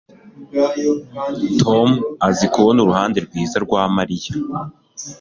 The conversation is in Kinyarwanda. tom azi kubona uruhande rwiza rwa mariya